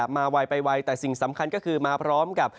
มาไวแต่สำคัญคือมาพร้อมกับ